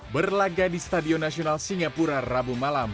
berlaga di stadion nasional singapura rabu malam